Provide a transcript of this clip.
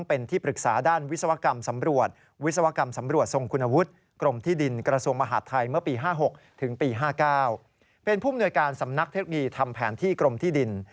เป็นผู้ปรึกษาสำนักเทคโนโลยีทำแผนที่กรมที่ดิน